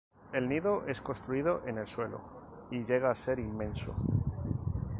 El nido es construido en el suelo y llega a ser inmenso.